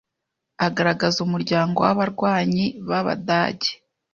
agaragaza umuryango wabarwanyi babadage